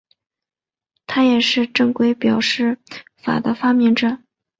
他也是正规表示法的发明者。